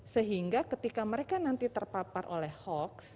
sehingga ketika mereka nanti terpapar oleh hoax